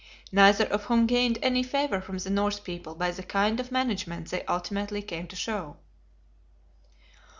Neither of whom gained any favor from the Norse people by the kind of management they ultimately came to show.